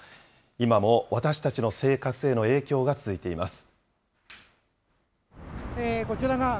今も私たちの生活への影響が続いています。